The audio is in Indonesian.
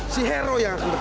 si hero yang bertanding